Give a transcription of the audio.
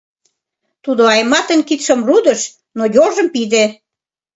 Тудо Айматын кидшым рудыш, но йолжым пиде.